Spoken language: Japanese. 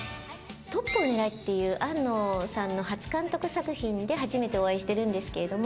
『トップをねらえ！』っていう庵野さんの初監督作品で初めてお会いしてるんですけれども。